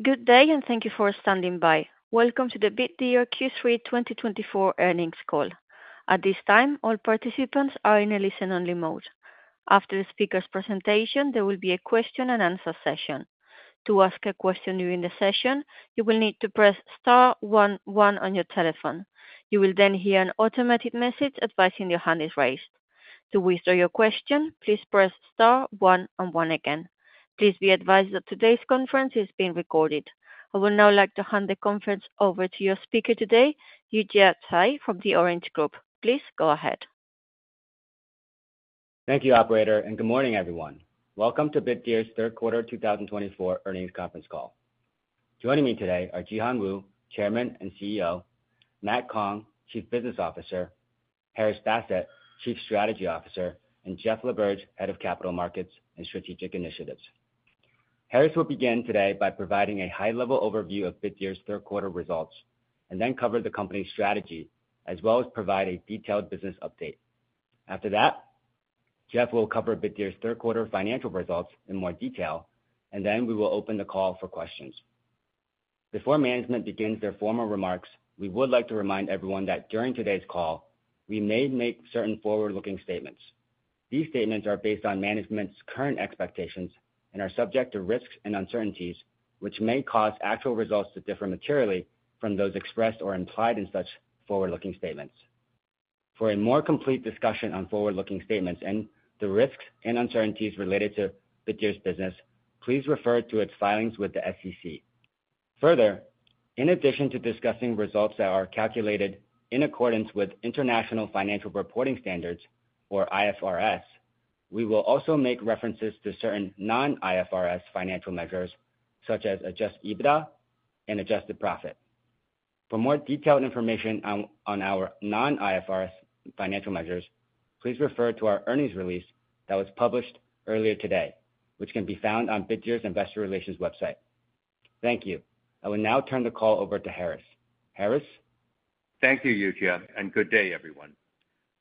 Good day, and thank you for standing by. Welcome to the Bitdeer Q3 2024 Earnings Call. At this time, all participants are in a listen-only mode. After the speaker's presentation, there will be a question-and-answer session. To ask a question during the session, you will need to press *11 on your telephone. You will then hear an automated message advising your hand is raised. To withdraw your question, please press *11 again. Please be advised that today's conference is being recorded. I would now like to hand the conference over to your speaker today, Yujia Zhai from the The Blueshirt Group please go ahead. Thank you, Operator, and good morning, everyone. Welcome to Bitdeer's Q3 2024 Earnings Conference Call. Joining me today are Jihan Wu, Chairman and CEO, Matt Kong, Chief Business Officer, Haris Basit, Chief Strategy Officer, and Jeff LaBerge, Head of Capital Markets and Strategic Initiatives. Haris will begin today by providing a high-level overview of Bitdeer's Q3 results and then cover the company's strategy, as well as provide a detailed business update. After that, Jeff will cover Bitdeer's Q3 financial results in more detail, and then we will open the call for questions. Before management begins their formal remarks, we would like to remind everyone that during today's call, we may make certain forward-looking statements. These statements are based on management's current expectations and are subject to risks and uncertainties, which may cause actual results to differ materially from those expressed or implied in such forward-looking statements. For a more complete discussion on forward-looking statements and the risks and uncertainties related to Bitdeer's business, please refer to its filings with the SEC. Further, in addition to discussing results that are calculated in accordance with International Financial Reporting Standards, or IFRS, we will also make references to certain non-IFRS financial measures, such as adjusted EBITDA and adjusted profit. For more detailed information on our non-IFRS financial measures, please refer to our earnings release that was published earlier today, which can be found on Bitdeer's Investor Relations website. Thank you. I will now turn the call over to Haris. Haris? Thank you, Yujia, and good day, everyone.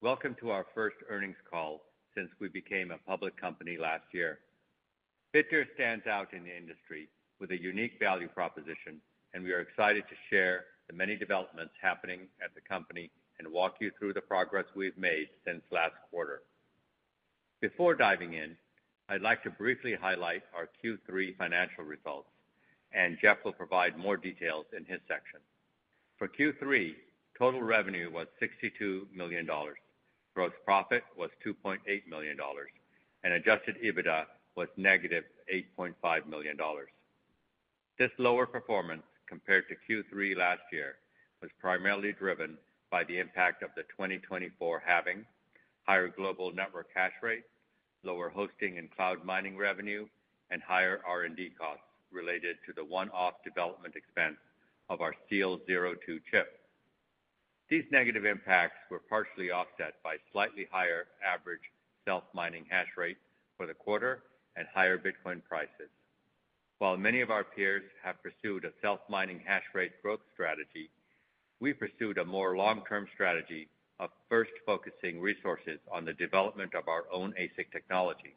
Welcome to our first earnings call since we became a public company last year. Bitdeer stands out in the industry with a unique value proposition, and we are excited to share the many developments happening at the company and walk you through the progress we've made since last quarter. Before diving in, I'd like to briefly highlight our Q3 financial results, and Jeff will provide more details in his section. For Q3, total revenue was $62 million, gross profit was $2.8 million, and adjusted EBITDA was negative $8.5 million. This lower performance compared to Q3 last year was primarily driven by the impact of the 2024 halving, higher global network hash rate, lower hosting and cloud mining revenue, and higher R&D costs related to the one-off development expense of our -SEAL02 chip. These negative impacts were partially offset by slightly higher average self-mining hash rate for the quarter and higher Bitcoin prices. While many of our peers have pursued a self-mining hash rate growth strategy, we pursued a more long-term strategy of first focusing resources on the development of our own ASIC technology.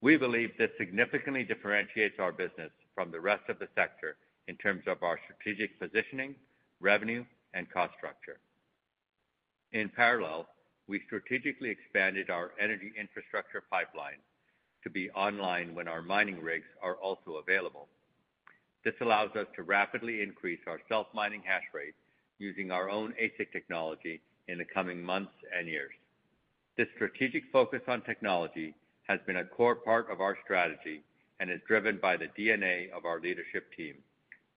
We believe this significantly differentiates our business from the rest of the sector in terms of our strategic positioning, revenue, and cost structure. In parallel, we strategically expanded our energy infrastructure pipeline to be online when our mining rigs are also available. This allows us to rapidly increase our self-mining hash rate using our own ASIC technology in the coming months and years. This strategic focus on technology has been a core part of our strategy and is driven by the DNA of our leadership team,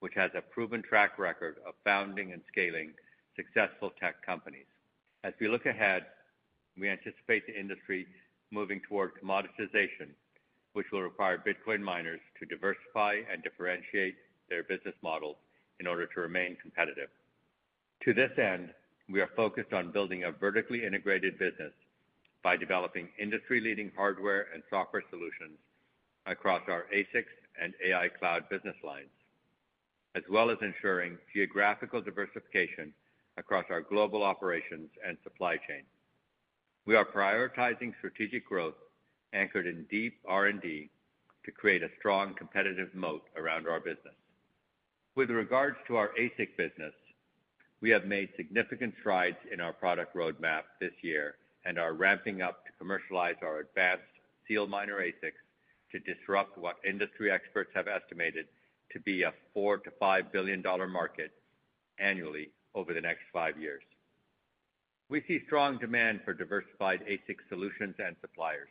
which has a proven track record of founding and scaling successful tech companies. As we look ahead, we anticipate the industry moving toward commoditization, which will require Bitcoin miners to diversify and differentiate their business models in order to remain competitive. To this end, we are focused on building a vertically integrated business by developing industry-leading hardware and software solutions. Across our ASICs and AI cloud business lines, as well as ensuring geographical diversification across our global operations and supply chain. We are prioritizing strategic growth anchored in deep R&D to create a strong competitive moat around our business. With regards to our ASIC business, we have made significant strides in our product roadmap this year and are ramping up to commercialize our advanced SEALMINER ASICs to disrupt what industry experts have estimated to be a $4-$5 billion market annually over the next five years. We see strong demand for diversified ASIC solutions and suppliers.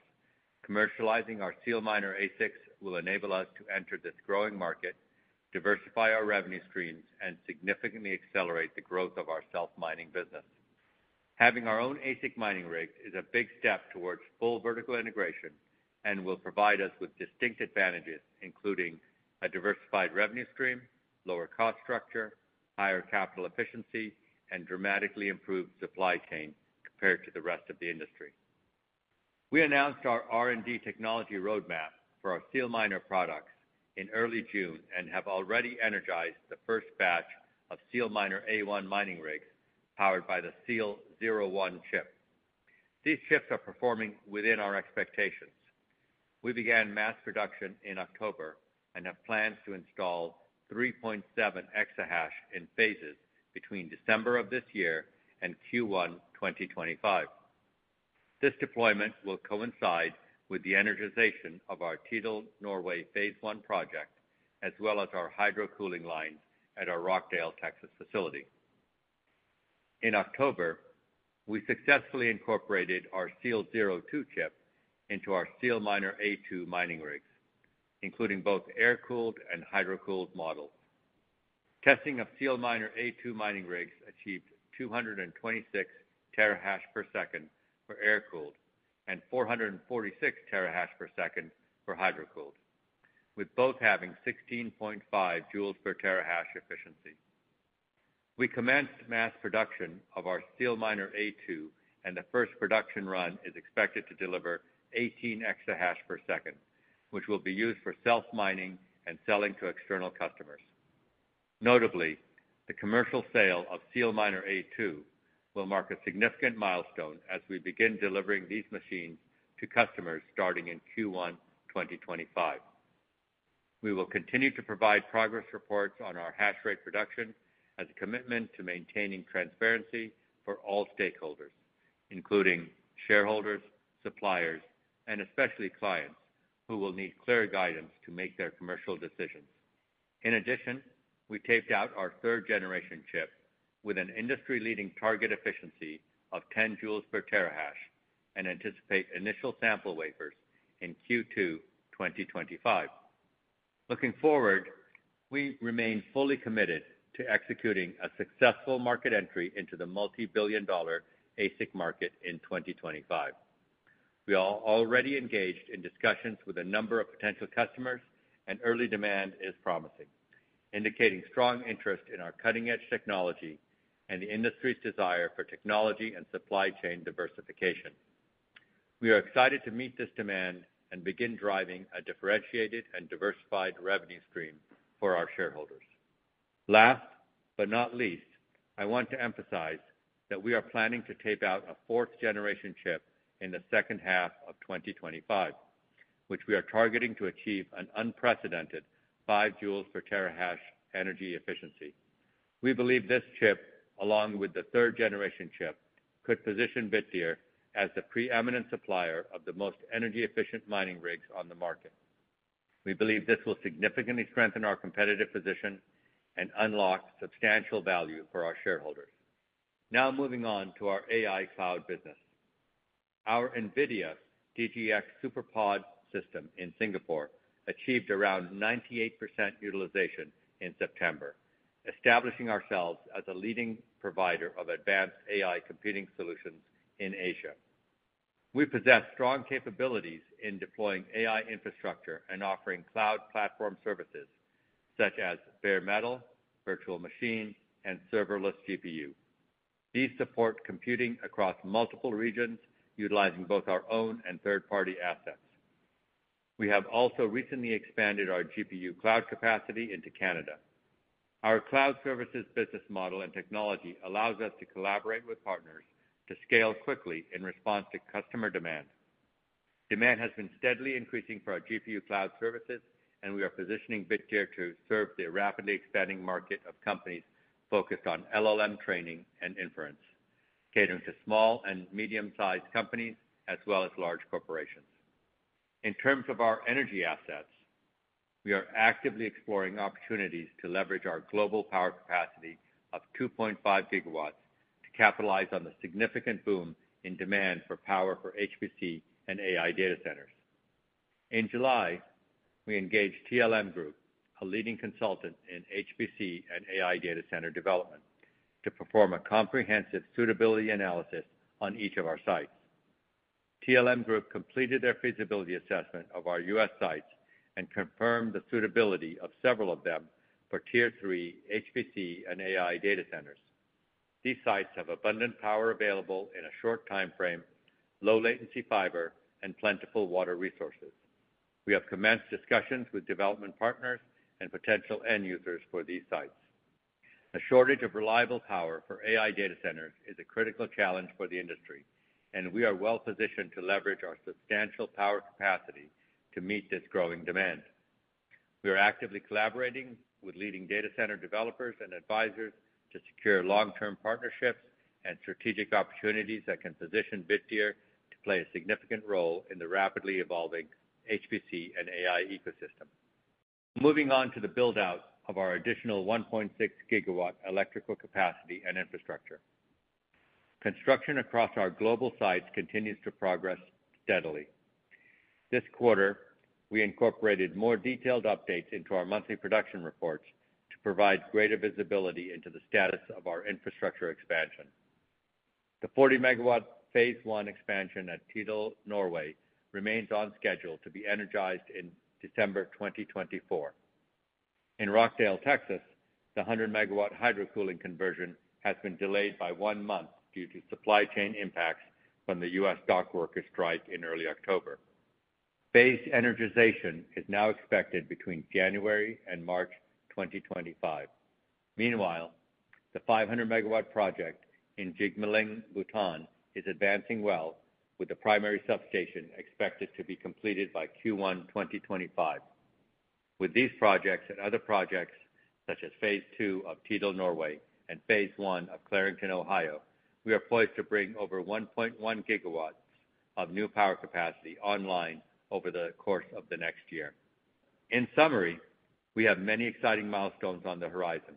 Commercializing our SEALMINER ASICs will enable us to enter this growing market, diversify our revenue streams, and significantly accelerate the growth of our self-mining business. Having our own ASIC mining rigs is a big step towards full vertical integration and will provide us with distinct advantages, including a diversified revenue stream, lower cost structure, higher capital efficiency, and dramatically improved supply chain compared to the rest of the industry. We announced our R&D technology roadmap for our SEALMINER products in early June and have already energized the first batch of SEALMINER A1 mining rigs powered by the SEAL01 chip. These chips are performing within our expectations. We began mass production in October and have plans to install 3.7 exahash in phases between December of this year and Q1 2025. This deployment will coincide with the energization of our Tydal, Norway Phase One project, as well as our hydro-cooling lines at our Rockdale, Texas facility. In October, we successfully incorporated our SEAL02 chip into our SEALMINER A2 mining rigs, including both air-cooled and hydrocooled models. Testing of SEALMINER A2 mining rigs achieved 226 terahash per second for air-cooled and 446 terahash per second for hydrocooled, with both having 16.5 joules per terahash efficiency. We commenced mass production of our SEALMINER A2, and the first production run is expected to deliver 18 exahash per second, which will be used for self-mining and selling to external customers. Notably, the commercial sale of SEALMINER A2 will mark a significant milestone as we begin delivering these machines to customers starting in Q1 2025. We will continue to provide progress reports on our hash rate production as a commitment to maintaining transparency for all stakeholders, including shareholders, suppliers, and especially clients who will need clear guidance to make their commercial decisions. In addition, we taped out our third-generation chip with an industry-leading target efficiency of 10 joules per terahash and anticipate initial sample wafers in Q2 2025. Looking forward, we remain fully committed to executing a successful market entry into the multi-billion dollar ASIC market in 2025. We are already engaged in discussions with a number of potential customers, and early demand is promising, indicating strong interest in our cutting-edge technology and the industry's desire for technology and supply chain diversification. We are excited to meet this demand and begin driving a differentiated and diversified revenue stream for our shareholders. Last but not least, I want to emphasize that we are planning to tape-out a fourth-generation chip in the second half of 2025, which we are targeting to achieve an unprecedented 5 joules per terahash energy efficiency. We believe this chip, along with the third-generation chip, could position Bitdeer as the preeminent supplier of the most energy-efficient mining rigs on the market. We believe this will significantly strengthen our competitive position and unlock substantial value for our shareholders. Now moving on to our AI cloud business. Our NVIDIA DGX SuperPod system in Singapore achieved around 98% utilization in September, establishing ourselves as a leading provider of advanced AI computing solutions in Asia. We possess strong capabilities in deploying AI infrastructure and offering cloud platform services such as bare metal, virtual machine, and serverless GPU. These support computing across multiple regions, utilizing both our own and third-party assets. We have also recently expanded our GPU cloud capacity into Canada. Our cloud services business model and technology allows us to collaborate with partners to scale quickly in response to customer demand. Demand has been steadily increasing for our GPU cloud services, and we are positioning Bitdeer to serve the rapidly expanding market of companies focused on LLM training and inference, catering to small and medium-sized companies as well as large corporations. In terms of our energy assets, we are actively exploring opportunities to leverage our global power capacity of 2.5 GW to capitalize on the significant boom in demand for power for HPC and AI data centers. In July, we engaged TLM Group, a leading consultant in HPC and AI data center development, to perform a comprehensive suitability analysis on each of our sites. TLM Group completed their feasibility assessment of our U.S. sites and confirmed the suitability of several of them for Tier 3 HPC and AI data centers. These sites have abundant power available in a short time frame, low-latency fiber, and plentiful water resources. We have commenced discussions with development partners and potential end users for these sites. The shortage of reliable power for AI data centers is a critical challenge for the industry, and we are well positioned to leverage our substantial power capacity to meet this growing demand. We are actively collaborating with leading data center developers and advisors to secure long-term partnerships and strategic opportunities that can position Bitdeer to play a significant role in the rapidly evolving HPC and AI ecosystem. Moving on to the build-out of our additional 1.6 GW electrical capacity and infrastructure. Construction across our global sites continues to progress steadily. This quarter, we incorporated more detailed updates into our monthly production reports to provide greater visibility into the status of our infrastructure expansion. The 40-MW Phase One expansion at Tydal, Norway, remains on schedule to be energized in December 2024. In Rockdale, Texas, the 100-MW hydro-cooling conversion has been delayed by one month due to supply chain impacts from the U.S. dockworkers' strike in early October. Phased energization is now expected between January and March 2025. Meanwhile, the 500-MW project in Jigmaling, Bhutan, is advancing well, with the primary substation expected to be completed by Q1 2025. With these projects and other projects, such as Phase 2 of Tydal, Norway, and Phase 1 of Clarington, Ohio, we are poised to bring over 1.1 GW of new power capacity online over the course of the next year. In summary, we have many exciting milestones on the horizon.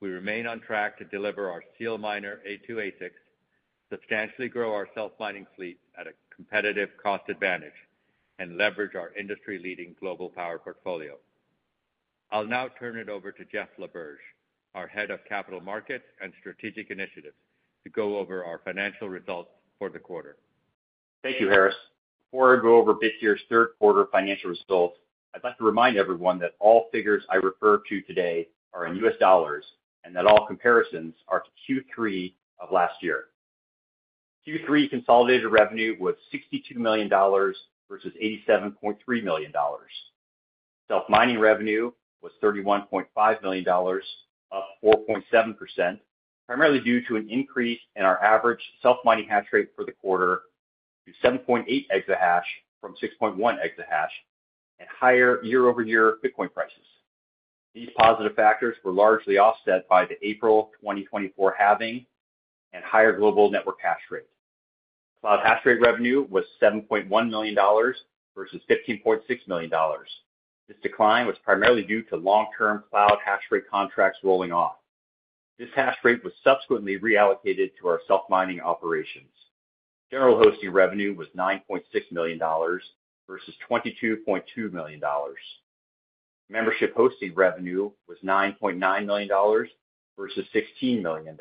We remain on track to deliver our SEALMINER A2 ASICs, substantially grow our self-mining fleet at a competitive cost advantage, and leverage our industry-leading global power portfolio. I'll now turn it over to Jeff LaBerge, our head of capital markets and strategic initiatives, to go over our financial results for the quarter. Thank you, Haris. Before I go over Bitdeer's Q3 financial results, I'd like to remind everyone that all figures I refer to today are in U.S. dollars and that all comparisons are to Q3 of last year. Q3 consolidated revenue was $62 million versus $87.3 million. Self-mining revenue was $31.5 million, up 4.7%, primarily due to an increase in our average self-mining hash rate for the quarter to 7.8 exahash from 6.1 exahash and higher year-over-year Bitcoin prices. These positive factors were largely offset by the April 2024 halving and higher global network hash rate. Cloud hash rate revenue was $7.1 million versus $15.6 million. This decline was primarily due to long-term cloud hash rate contracts rolling off. This hash rate was subsequently reallocated to our self-mining operations. General hosting revenue was $9.6 million versus $22.2 million. Membership hosting revenue was $9.9 million versus $16 million.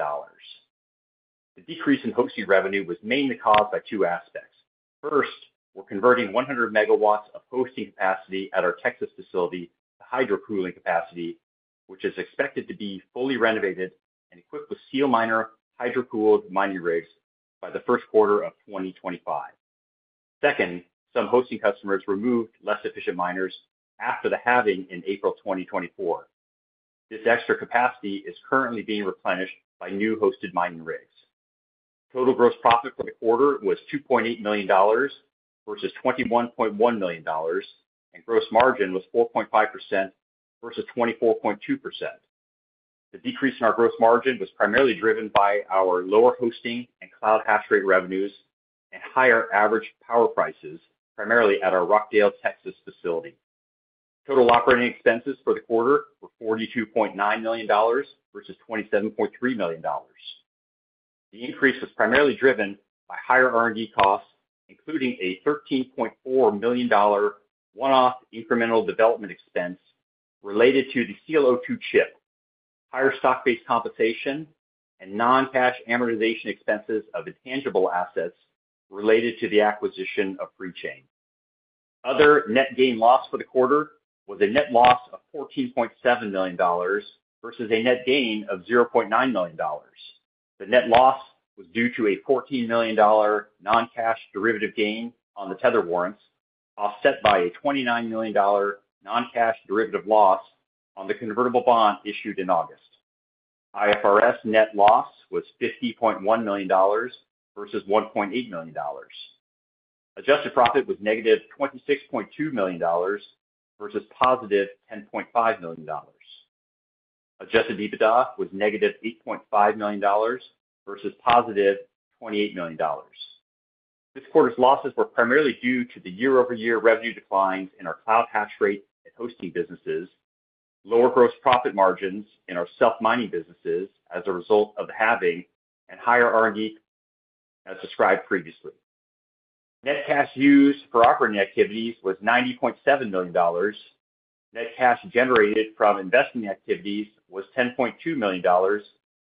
The decrease in hosting revenue was mainly caused by two aspects. First, we're converting 100 MWs of hosting capacity at our Texas facility to hydro-cooling capacity, which is expected to be fully renovated and equipped with SEALMINER hydro-cooled mining rigs by the Q1 of 2025. Second, some hosting customers removed less efficient miners after the halving in April 2024. This extra capacity is currently being replenished by new hosted mining rigs. Total gross profit for the quarter was $2.8 million versus $21.1 million, and gross margin was 4.5% versus 24.2%. The decrease in our gross margin was primarily driven by our lower hosting and cloud hash rate revenues and higher average power prices, primarily at our Rockdale, Texas facility. Total operating expenses for the quarter were $42.9 million versus $27.3 million. The increase was primarily driven by higher R&D costs, including a $13.4 million one-off incremental development expense related to the SEAL02 chip, higher stock-based compensation, and non-cash amortization expenses of intangible assets related to the acquisition of FreeChain. Other net gain/loss for the quarter was a net loss of $14.7 million versus a net gain of $0.9 million. The net loss was due to a $14 million non-cash derivative gain on the Tether warrants, offset by a $29 million non-cash derivative loss on the convertible bond issued in August. IFRS net loss was $50.1 million versus $1.8 million. Adjusted profit was negative $26.2 million versus positive $10.5 million. Adjusted EBITDA was negative $8.5 million versus positive $28 million. This quarter's losses were primarily due to the year-over-year revenue declines in our cloud hash rate and hosting businesses, lower gross profit margins in our self-mining businesses as a result of the halving, and higher R&D, as described previously. Net cash used for operating activities was $90.7 million. Net cash generated from investing activities was $10.2 million,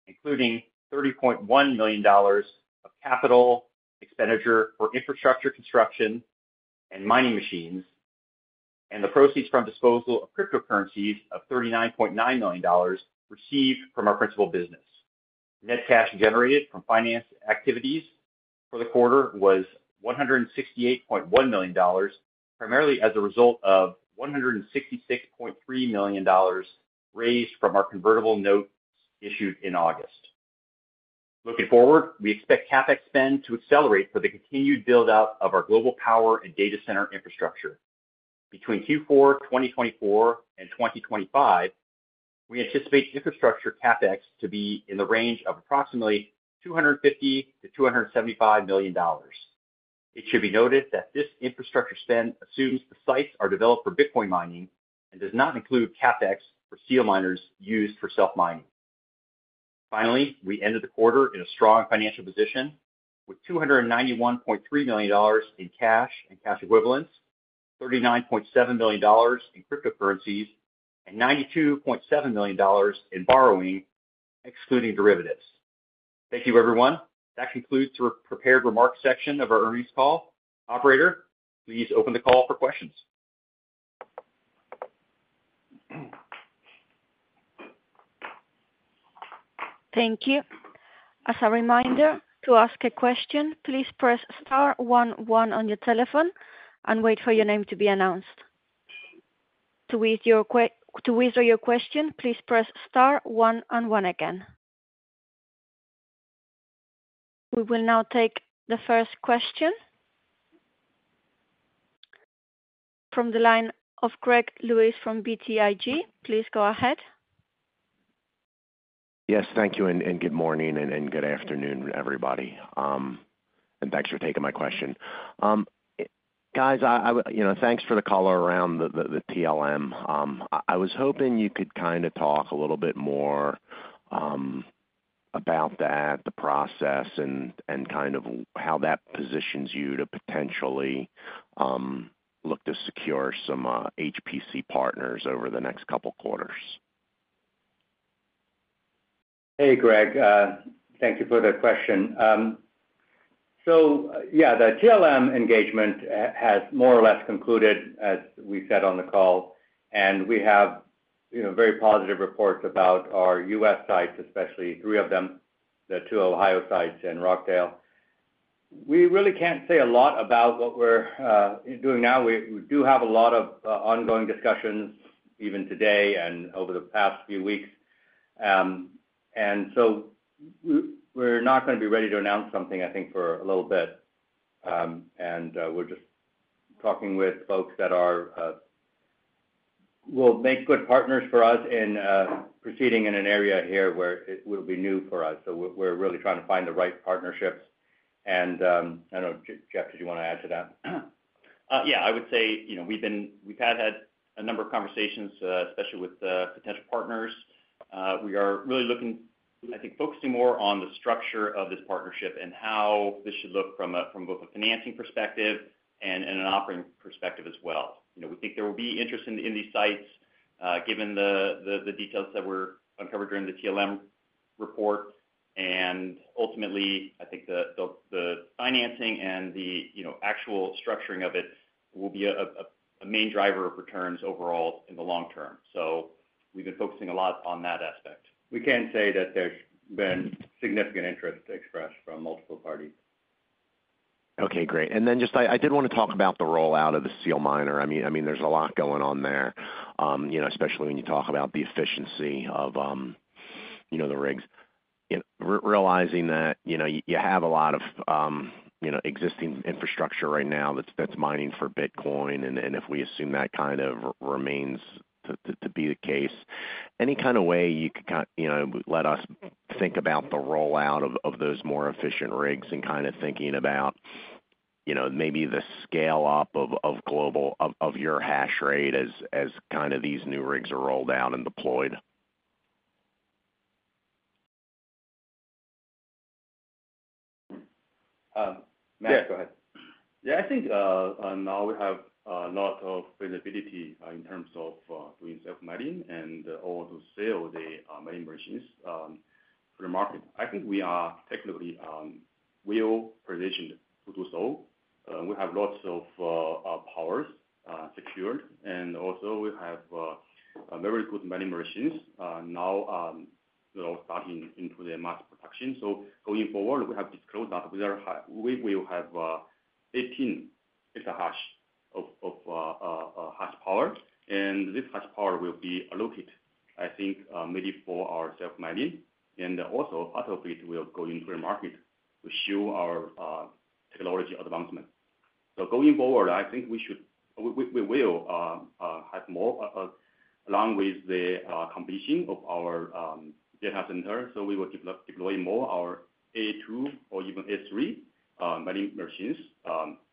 including $30.1 million of capital expenditure for infrastructure construction and mining machines, and the proceeds from disposal of cryptocurrencies of $39.9 million received from our principal business. Net cash generated from finance activities for the quarter was $168.1 million, primarily as a result of $166.3 million raised from our convertible note issued in August. Looking forward, we expect CapEx spend to accelerate for the continued build-out of our global power and data center infrastructure. Between Q4 2024 and 2025, we anticipate infrastructure CapEx to be in the range of approximately $250-$275 million. It should be noted that this infrastructure spend assumes the sites are developed for Bitcoin mining and does not include CapEx for SEALMINERs used for self-mining. Finally, we ended the quarter in a strong financial position with $291.3 million in cash and cash equivalents, $39.7 million in cryptocurrencies, and $92.7 million in borrowing, excluding derivatives. Thank you, everyone. That concludes the prepared remarks section of our earnings call. Operator, please open the call for questions. Thank you. As a reminder, to ask a question, please press star 1, 1 on your telephone and wait for your name to be announced. To answer your question, please press star 1, 1 again. We will now take the first question from the line of Greg Lewis from BTIG. Please go ahead. Yes, thank you, and good morning and good afternoon, everybody. Thanks for taking my question. Guys, thanks for the call around the TLM. I was hoping you could kind of talk a little bit more about that, the process, and kind of how that positions you to potentially look to secure some HPC partners over the next couple of quarters. Hey, Greg. Thank you for the question. Yeah, the TLM engagement has more or less concluded, as we said on the call, and we have very positive reports about our U.S. sites, especially three of them, the two Ohio sites and Rockdale. We really can't say a lot about what we're doing now we do have a lot of ongoing discussions even today and over the past few weeks. And so we're not going to be ready to announce something, I think, for a little bit, and we're just talking with folks that will make good partners for us in proceeding in an area here where it will be new for us, so we're really trying to find the right partnerships, and I don't know, Jeff, did you want to add to that? Yeah, I would say we've had a number of conversations, especially with potential partners. We are really looking, I think, focusing more on the structure of this partnership and how this should look from both a financing perspective and an operating perspective as well. We think there will be interest in these sites given the details that were uncovered during the TLM report. And ultimately, I think the financing and the actual structuring of it will be a main driver of returns overall in the long term. So we've been focusing a lot on that aspect. We can say that there's been significant interest expressed from multiple parties. Okay, great and then just I did want to talk about the rollout of the SEALMINER i mean, there's a lot going on there, especially when you talk about the efficiency of the rigs. Realizing that you have a lot of existing infrastructure right now that's mining for Bitcoin, and if we assume that kind of remains to be the case, any kind of way you could let us think about the rollout of those more efficient rigs and kind of thinking about maybe the scale-up of your hash rate as kind of these new rigs are rolled out and deployed? Matt, go ahead. Yeah, I think now we have a lot of availability in terms of doing self-mining and also sell the mining machines to the market i think we are technically well-positioned to do so. We have lots of powers secured, and also we have very good mining machines now starting into the mass production. So going forward, we have disclosed that we will have 18 exahash of hash power, and this hash power will be allocated, I think, maybe for our self-mining. And also part of it will go into the market to show our technology advancement. So going forward, I think we will have more along with the completion of our data center so we will deploy more of our A2 or even A3 mining machines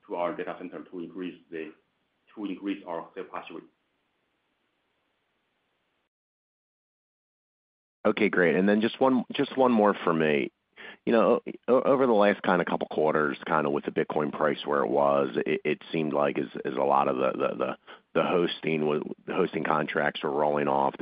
to our data center to increase our self-hash rate. Okay, great and then just one more for me. Over the last kind of couple of quarters, kind of with the Bitcoin price where it was, it seemed like a lot of the hosting contracts were rolling off.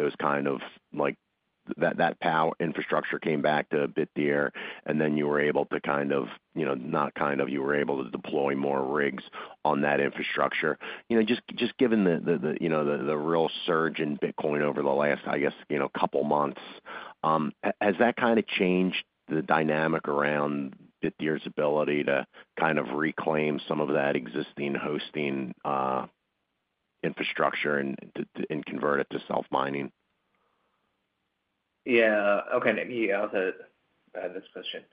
That power infrastructure came back to Bitdeer, and then you were able to kind of, not kind of, you were able to deploy more rigs on that infrastructure. Just given the real surge in Bitcoin over the last, I guess, couple of months, has that kind of changed the dynamic around Bitdeer's ability to kind of reclaim some of that existing hosting infrastructure and convert it to self-mining? Yeah. Okay. I'll say this question.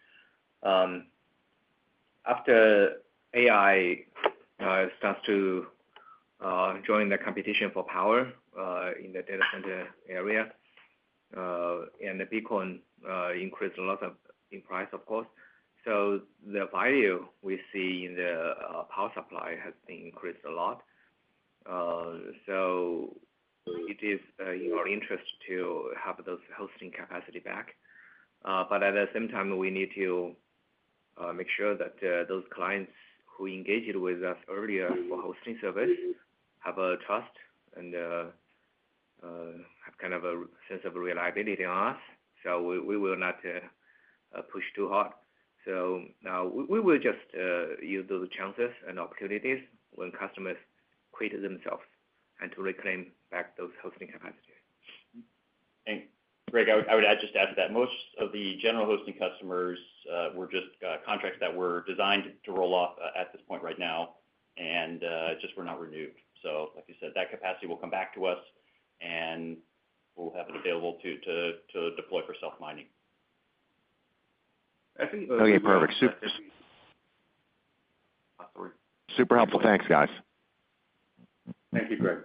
After AI starts to join the competition for power in the data center area and the Bitcoin increased a lot in price, of course, so the value we see in the power supply has increased a lot. So it is in our interest to have those hosting capacity back. But at the same time, we need to make sure that those clients who engaged with us earlier for hosting service have trust and have kind of a sense of reliability on us. So we will not push too hard. So now we will just use those chances and opportunities when customers quit themselves and to reclaim back those hosting capacity. And Greg, I would add just to add to that, most of the general hosting customers were just contracts that were designed to roll off at this point right now and just were not renewed. So like you said, that capacity will come back to us and we'll have it available to deploy for self-mining. I think. Okay, perfect. Super. Super helpful. Thanks, guys. Thank you, Greg.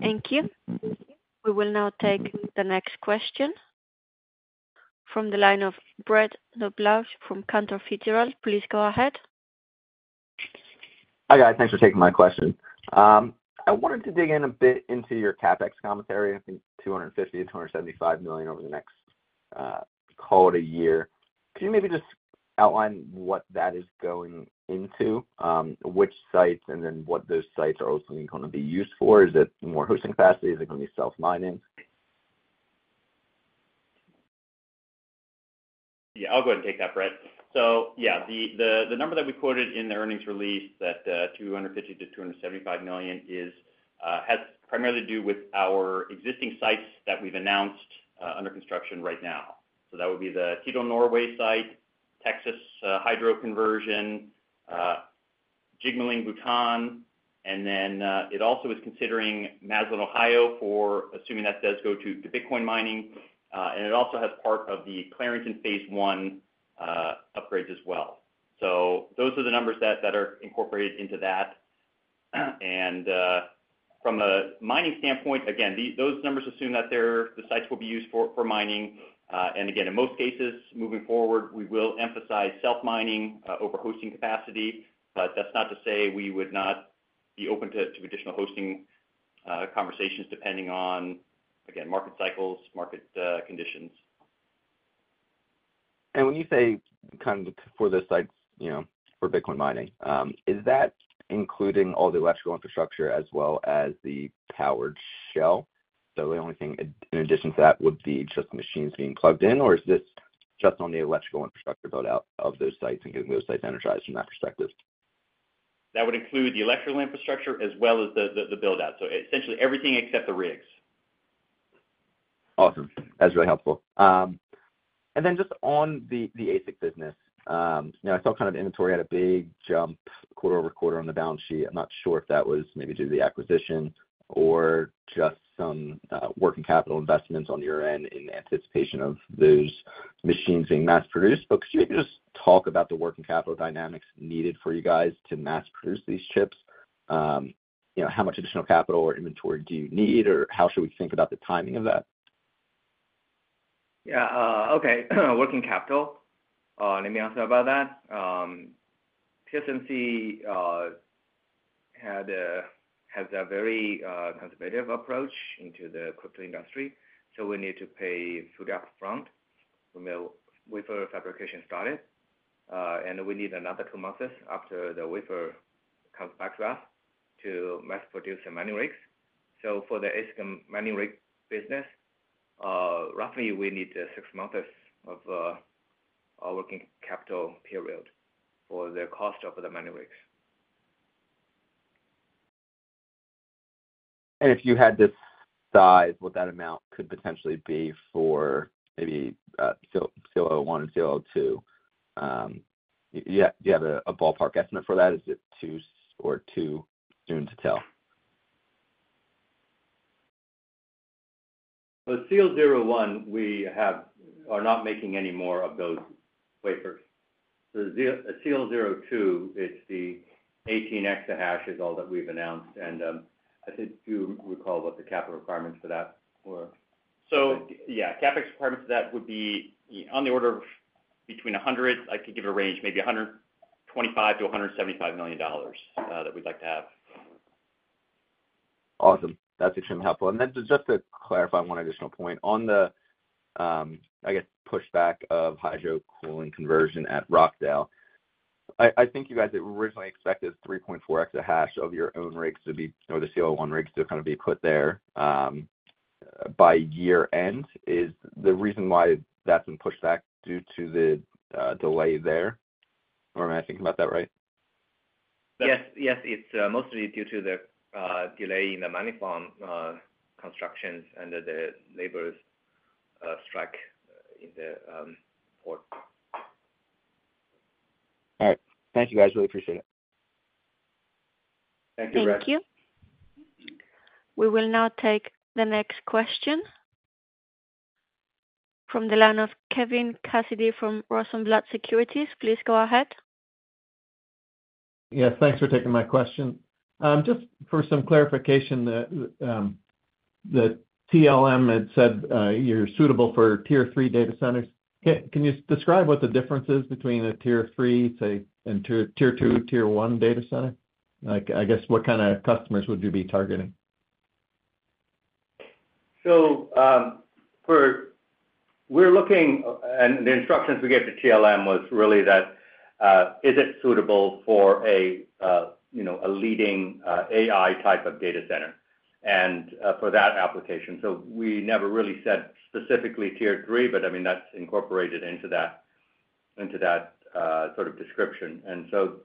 Thank you. Thank you. We will now take the next question from the line of Brett Knoblauch from Cantor Fitzgerald. Please go ahead. Hi, guys. Thanks for taking my question. I wanted to dig in a bit into your CapEx commentary i think $250 million-$275 million over the next, call it a year. Could you maybe just outline what that is going into, which sites, and then what those sites are ultimately going to be used for? Is it more hosting capacity? Is it going to be self-mining? Yeah, I'll go ahead and take that, Brett. So yeah, the number that we quoted in the earnings release, that $250 million-$275 million, has primarily to do with our existing sites that we've announced under construction right now. So that would be the Tydal Norway site, Texas Hydro Conversion, Jigmaling, Bhutan, and then it also is considering Massillon, Ohio, assuming that does go to Bitcoin mining, and it also has part of the Clarington Phase One upgrades as well. So those are the numbers that are incorporated into that, and from a mining standpoint, again, those numbers assume that the sites will be used for mining, and again, in most cases, moving forward, we will emphasize self-mining over hosting capacity, but that's not to say we would not be open to additional hosting conversations depending on, again, market cycles, market conditions. And when you say kind of for the sites, for Bitcoin mining, is that including all the electrical infrastructure as well as the powered shell? So the only thing in addition to that would be just machines being plugged in, or is this just on the electrical infrastructure build-out of those sites and getting those sites energized from that perspective? That would include the electrical infrastructure as well as the build-out so essentially everything except the rigs. Awesome. That's really helpful. And then just on the ASIC business, I saw kind of inventory had a big jump quarter over quarter on the balance sheet i'm not sure if that was maybe due to the acquisition or just some working capital investments on your end in anticipation of those machines being mass-produced but could you just talk about the working capital dynamics needed for you guys to mass-produce these chips? How much additional capital or inventory do you need, or how should we think about the timing of that? Yeah. Okay. Working capital. Let me answer about that. TSMC has a very conservative approach into the crypto industry, so we need to pay full upfront with our fabrication started. And we need another two months after the wafer comes back to us to mass-produce the mining rigs. So for the ASIC mining rig business, roughly we need six months of working capital period for the cost of the mining rigs. And if you had to size what that amount could potentially be for maybe SEAL01 and SEAL02, do you have a ballpark estimate for that? Is it too soon to tell? With SEAL01, we are not making any more of those wafers. So SEAL02, it's the 18 exahash is all that we've announced. And I think you recall what the capital requirements for that were. So yeah, CapEx requirements for that would be on the order of between 100 i could give a range, maybe $125 million-$175 million that we'd like to have. Awesome. That's extremely helpful and then just to clarify one additional point on the, I guess, pushback of hydro cooling conversion at Rockdale, I think you guys originally expected 3.4 exahash of your own rigs to be or the SEAL01 rigs to kind of be put there by year end. Is the reason why that's been pushed back due to the delay there? Am I thinking about that right? Yes. Yes. It's mostly due to the delay in the mining farm constructions and the labor strike in the port. All right. Thank you, guys. Really appreciate it. Thank you, Brett. Thank you. We will now take the next question from the line of Kevin Cassidy from Rosenblatt Securities. Please go ahead. Yes. Thanks for taking my question. Just for some clarification, the TLM had said you're suitable for Tier 3 data centers. Can you describe what the difference is between a Tier 3, say, and Tier 2, Tier 1 data center? I guess what kind of customers would you be targeting? So we're looking, and the instructions we gave to TLM was really that is it suitable for a leading AI type of data center and for that application so we never really said specifically Tier 3, but I mean, that's incorporated into that sort of description and so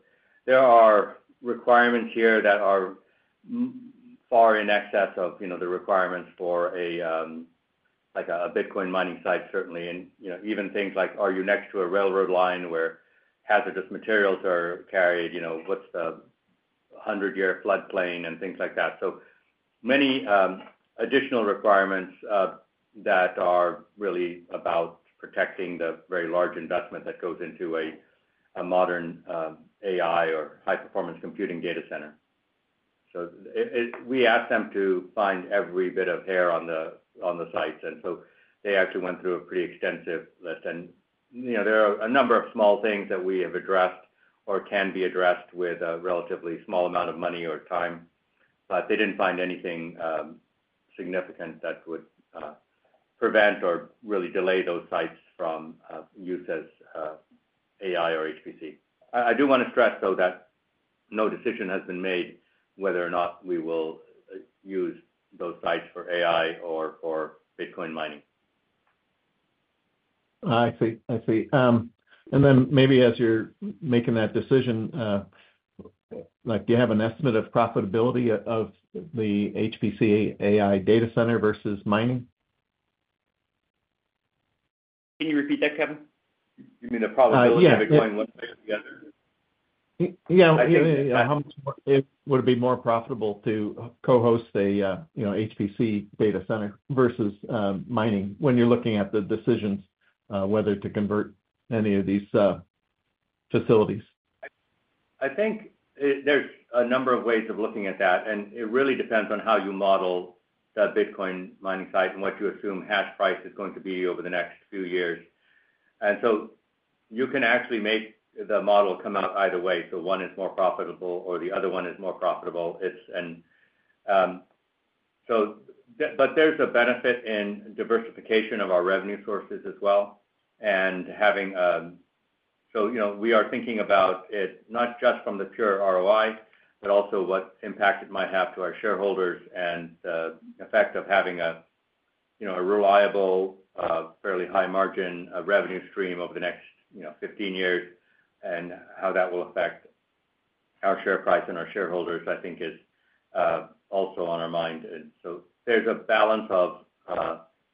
there are requirements here that are far in excess of the requirements for a Bitcoin mining site, certainly. And even things like, are you next to a railroad line where hazardous materials are carried? What's the 100-year floodplain and things like that? So many additional requirements that are really about protecting the very large investment that goes into a modern AI or high-performance computing data center. So we asked them to find every bit of hair on the sites and so they actually went through a pretty extensive list. And there are a number of small things that we have addressed or can be addressed with a relatively small amount of money or time, but they didn't find anything significant that would prevent or really delay those sites from use as AI or HPC. I do want to stress, though, that no decision has been made whether or not we will use those sites for AI or for Bitcoin mining. I see. I see. And then maybe as you're making that decision, do you have an estimate of profitability of the HPC AI data center versus mining? Can you repeat that, Kevin? You mean the probability of it going one way or the other? How much would it be more profitable to co-host a HPC data center versus mining when you're looking at the decisions whether to convert any of these facilities? I think there's a number of ways of looking at that, and it really depends on how you model the Bitcoin mining site and what you assume hash price is going to be over the next few years. And so you can actually make the model come out either way so one is more profitable or the other one is more profitable. But there's a benefit in diversification of our revenue sources as well. And so we are thinking about it not just from the pure ROI, but also what impact it might have to our shareholders and the effect of having a reliable, fairly high-margin revenue stream over the next 15 years and how that will affect our share price and our shareholders, I think, is also on our mind and so there's a balance of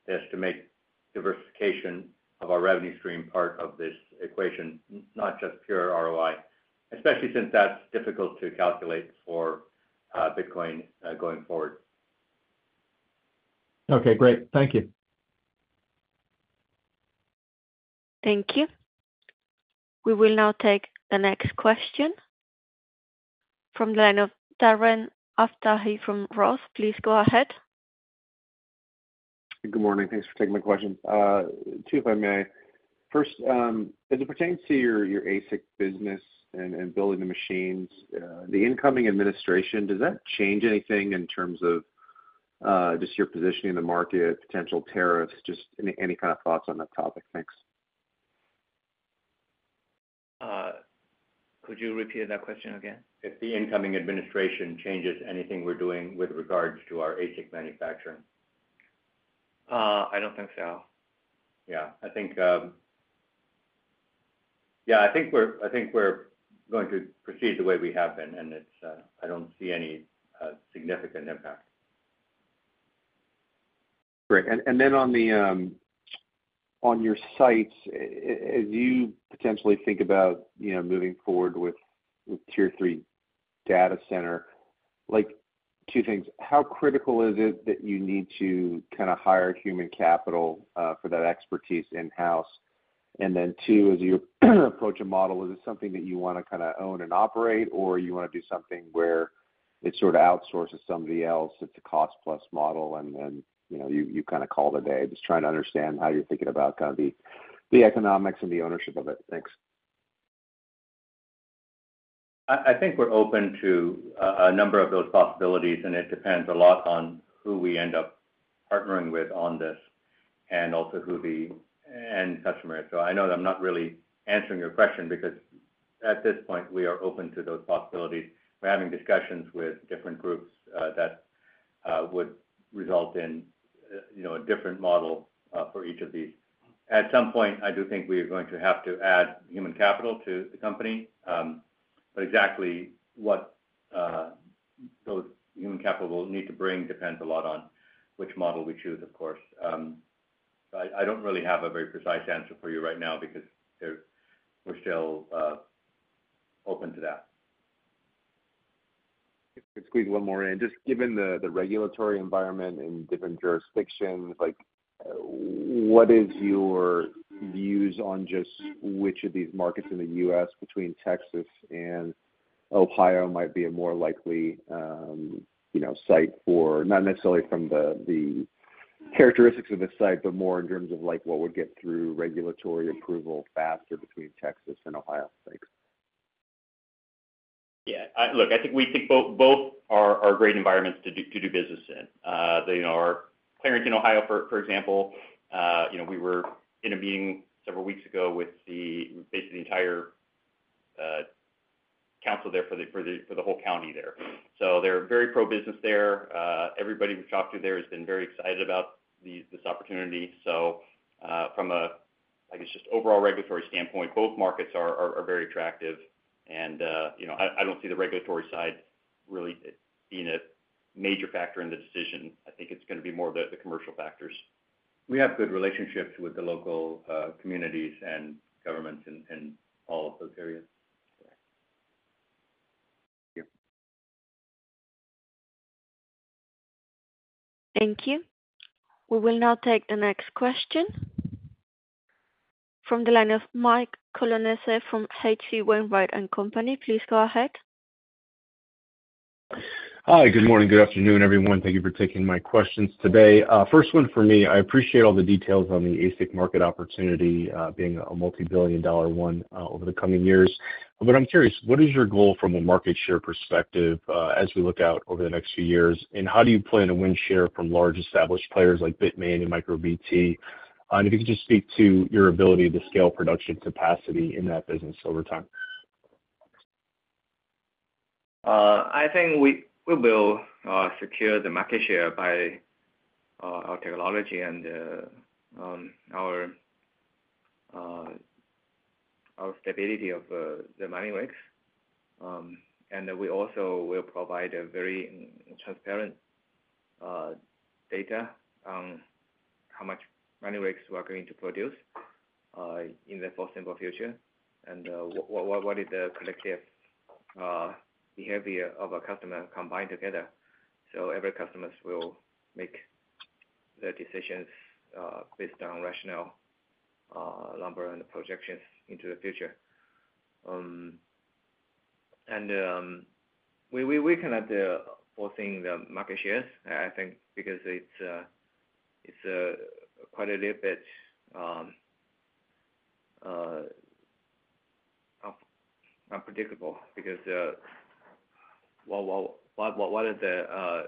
this to make diversification of our revenue stream part of this equation, not just pure ROI, especially since that's difficult to calculate for Bitcoin going forward. Okay. Great. Thank you. Thank you. We will now take the next question from the line of Darren Aftahi from Roth MKM. Please go ahead. Good morning. Thanks for taking my question. Two if I may. First, as it pertains to your ASIC business and building the machines, the incoming administration, does that change anything in terms of just your positioning in the market, potential tariffs, just any kind of thoughts on that topic? Thanks. Could you repeat that question again? If the incoming administration changes anything we're doing with regards to our ASIC manufacturing? I don't think so. Yeah. Yeah. I think we're going to proceed the way we have been, and I don't see any significant impact. Great and then on your sites, as you potentially think about moving forward with Tier 3 data center, two things how critical is it that you need to kind of hire human capital for that expertise in-house? And then, too, as you approach a model, is it something that you want to kind of own and operate, or you want to do something where it sort of outsources somebody else? It's a cost-plus model, and then you kind of call the day just trying to understand how you're thinking about kind of the economics and the ownership of it thanks. I think we're open to a number of those possibilities, and it depends a lot on who we end up partnering with on this and also who the end customer is so I know that I'm not really answering your question because at this point, we are open to those possibilities. We're having discussions with different groups that would result in a different model for each of these. At some point, I do think we are going to have to add human capital to the company. But exactly what those human capital will need to bring depends a lot on which model we choose, of course. I don't really have a very precise answer for you right now because we're still open to that. If I could squeeze one more i just given the regulatory environment in different jurisdictions, what is your views on just which of these markets in the U.S. between Texas and Ohio might be a more likely site for not necessarily from the characteristics of the site, but more in terms of what would get through regulatory approval faster between Texas and Ohio? Thanks. Yeah. Look, I think we think both are great environments to do business in. Clarington, Ohio, for example, we were in a meeting several weeks ago with basically the entire council there for the whole county there. So they're very pro-business there. Everybody we've talked to there has been very excited about this opportunity. So from a, I guess, just overall regulatory standpoint, both markets are very attractive. And I don't see the regulatory side really being a major factor in the decision. I think it's going to be more the commercial factors. We have good relationships with the local communities and governments in all of those areas. Thank you. Thank you. We will now take the next question from the line of Mike Colonese from H.C. Wainwright & Co. Please go ahead. Hi good morning good afternoon, everyone thank you for taking my questions today. First one for me, I appreciate all the details on the ASIC market opportunity being a multi-billion-dollar one over the coming years. But I'm curious, what is your goal from a market share perspective as we look out over the next few years? How do you plan to win share from large established players like Bitmain and MicroBT? And if you could just speak to your ability to scale production capacity in that business over time. I think we will secure the market share by our technology and our stability of the mining rigs. And we also will provide very transparent data on how much mining rigs we are going to produce in the foreseeable future and what is the collective behavior of our customers combined together. So every customer will make their decisions based on rationale, number, and projections into the future. And we kind of foresee the market shares, I think, because it's quite a little bit unpredictable because what is the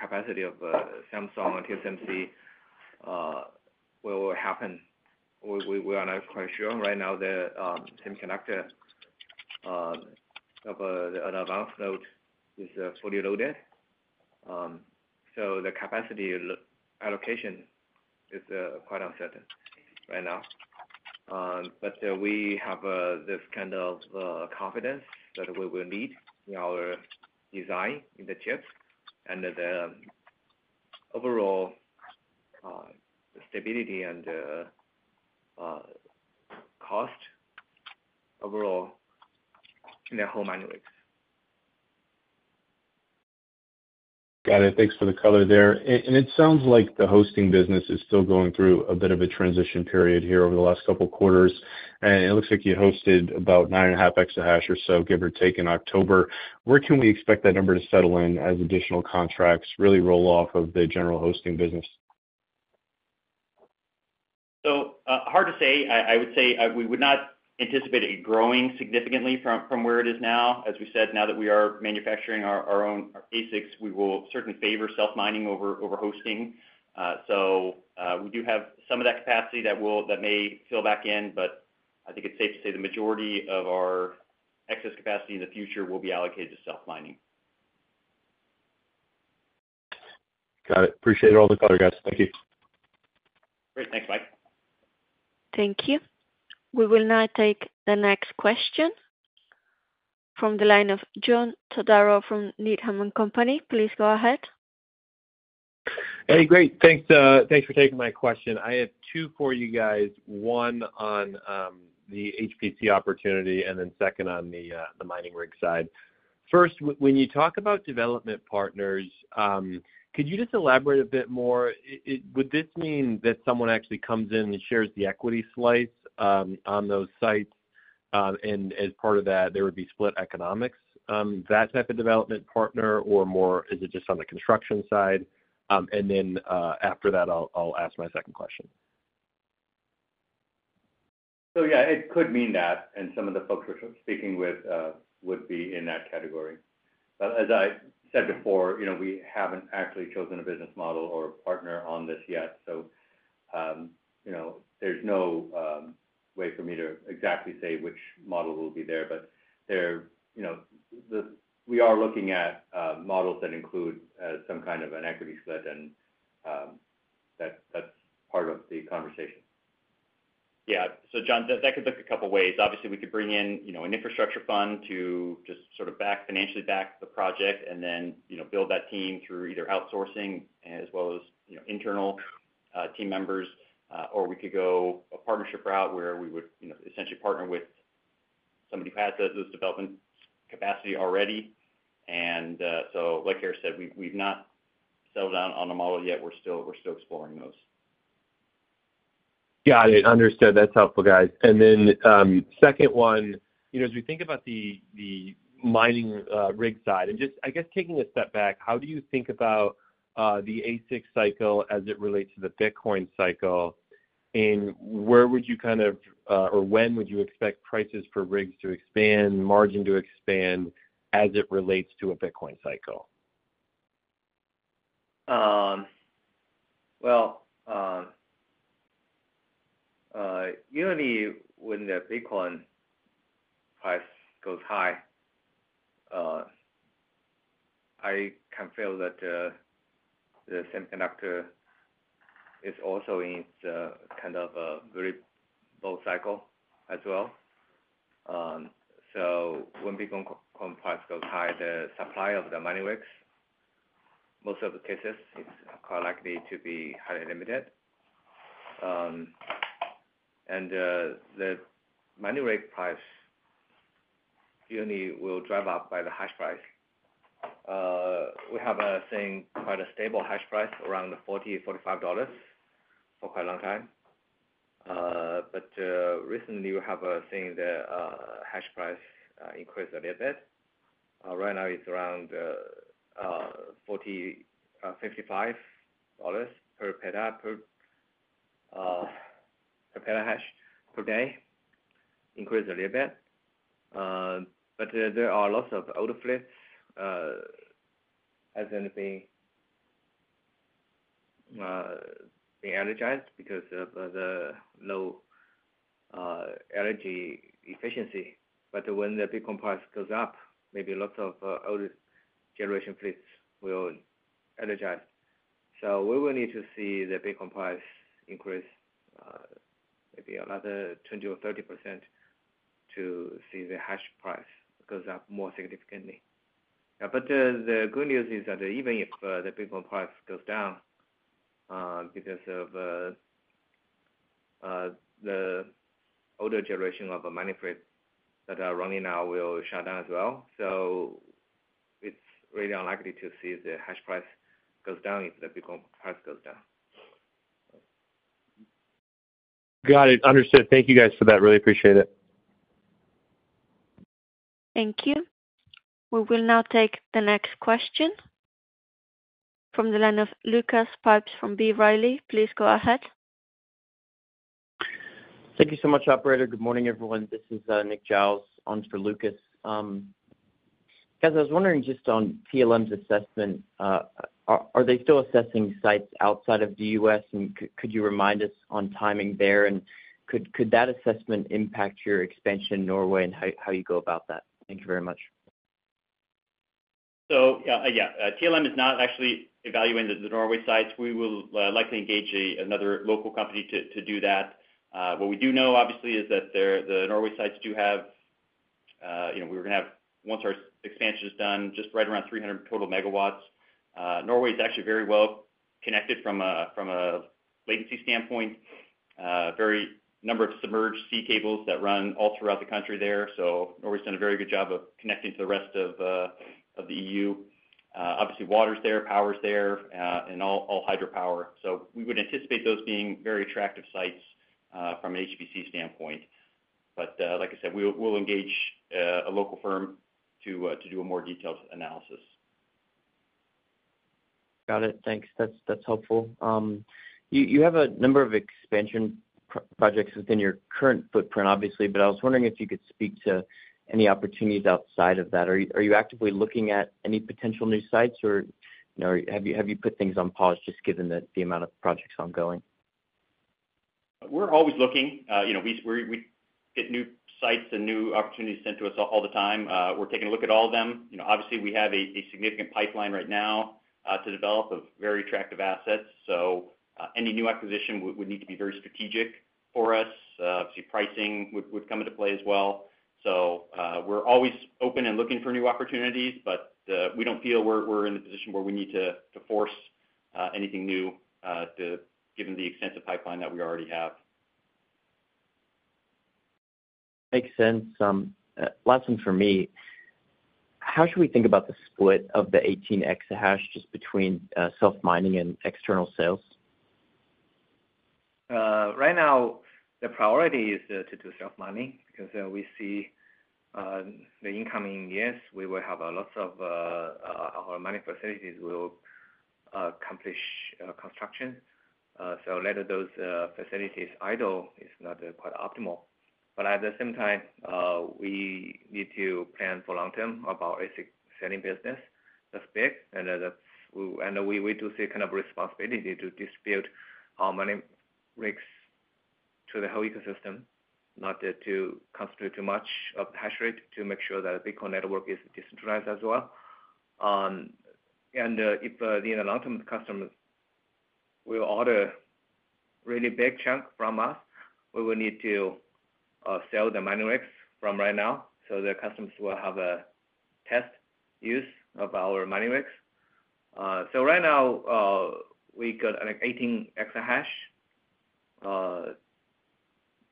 capacity of Samsung and TSMC? What will happen? We are not quite sure right now, the semiconductor of the advanced node is fully loaded. So the capacity allocation is quite uncertain right now. But we have this kind of confidence that we will need in our design in the chips and the overall stability and cost overall in the whole mining rigs. Got it thanks for the color there. And it sounds like the hosting business is still going through a bit of a transition period here over the last couple of quarters. And it looks like you hosted about nine and a half exahash or so, give or take, in October. Where can we expect that number to settle in as additional contracts really roll off of the general hosting business? So hard to say. I would say we would not anticipate it growing significantly from where it is now. As we said, now that we are manufacturing our own ASICs, we will certainly favor self-mining over hosting. So we do have some of that capacity that may fill back in, but I think it's safe to say the majority of our excess capacity in the future will be allocated to self-mining. Got it. Appreciate all the color, guys. Thank you. Great. Thanks, Mike. Thank you. We will now take the next question from the line of John Todaro from Needham & Company. Please go ahead. Hey, great. Thanks for taking my question. I have two for you guys, one on the HPC opportunity and then second on the mining rig side. First, when you talk about development partners, could you just elaborate a bit more? Would this mean that someone actually comes in and shares the equity slice on those sites? And as part of that, there would be split economics, that type of development partner, or more is it just on the construction side? And then after that, I'll ask my second question. So yeah, it could mean that. And some of the folks we're speaking with would be in that category. But as I said before, we haven't actually chosen a business model or a partner on this yet. So there's no way for me to exactly say which model will be there. But we are looking at models that include some kind of an equity split, and that's part of the conversation. Yeah. So John, that could look a couple of ways obviously, we could bring in an infrastructure fund to just sort of financially back the project and then build that team through either outsourcing as well as internal team members. Or we could go a partnership route where we would essentially partner with somebody who has those development capacity already. And so like Eric said, we've not settled on a model yet we're still exploring those. Got it. Understood that's helpful, guys and then second one, as we think about the mining rig side, and just, I guess, taking a step back, how do you think about the ASIC cycle as it relates to the Bitcoin cycle? And where would you kind of or when would you expect prices for rigs to expand, margin to expand as it relates to a Bitcoin cycle? Well, when the Bitcoin price goes high, I can feel that the semiconductor is also in kind of a very low cycle as well. So when Bitcoin price goes high, the supply of the mining rigs, most of the cases, is quite likely to be highly limited. And the mining rig price will drive up by the hash price. We have seen quite a stable hash price around $40-$45 for quite a long time. But recently, we have seen the hash price increase a little bit. Right now, it's around $40-$55 per petahash per day. Increased a little bit. But there are lots of older fleets, as in being energized, because of the low energy efficiency. But when the Bitcoin price goes up, maybe lots of older generation fleets will energize. So we will need to see the Bitcoin price increase maybe another 20% or 30% to see the hash price goes up more significantly. But the good news is that even if the Bitcoin price goes down because of the older generation of mining fleets that are running now will shut down as well. So it's really unlikely to see the hash price goes down if the Bitcoin price goes down. Got it. Understood. Thank you, guys, for that. Really appreciate it. Thank you. We will now take the next question from the line of Lucas Pipes from B. Riley. Please go ahead. Thank you so much, operator good morning, everyone this is Nick Giles on for Lucas. Guys, I was wondering just on TLM's assessment, are they still assessing sites outside of the U.S.? And could you remind us on timing there? And could that assessment impact your expansion in Norway and how you go about that? Thank you very much. So yeah, TLM is not actually evaluating the Norway sites we will likely engage another local company to do that. What we do know, obviously, is that the Norway sites do have we were going to have, once our expansion is done, just right around 300 total MWs. Norway is actually very well connected from a latency standpoint. A number of submarine cables that run all throughout the country there. So Norway's done a very good job of connecting to the rest of the EU. Obviously, water's there, power's there, and all hydropower so we would anticipate those being very attractive sites from an HPC standpoint. But like I said, we'll engage a local firm to do a more detailed analysis. Got it. Thanks. That's helpful. You have a number of expansion projects within your current footprint, obviously, but I was wondering if you could speak to any opportunities outside of that. Are you actively looking at any potential new sites, or have you put things on pause just given the amount of projects ongoing? We're always looking. We get new sites and new opportunities sent to us all the time. We're taking a look at all of them. Obviously, we have a significant pipeline right now to develop of very attractive assets. So any new acquisition would need to be very strategic for us. Obviously, pricing would come into play as well. So we're always open and looking for new opportunities, but we don't feel we're in the position where we need to force anything new given the extensive pipeline that we already have. Makes sense. Last one for me. How should we think about the split of the 18 exahash just between self-mining and external sales? Right now, the priority is to do self-mining because we see the incoming years, we will have lots of our mining facilities will accomplish construction. So let those facilities idle is not quite optimal. But at the same time, we need to plan for long term about selling business that's big we do see kind of responsibility to distribute our mining rigs to the whole ecosystem, not to concentrate too much of the hash rate to make sure that the Bitcoin network is decentralized as well. If the long-term customer will order a really big chunk from us, we will need to sell the mining rigs from right now. The customers will have a test use of our mining rigs. Right now, we got an 18 exahash that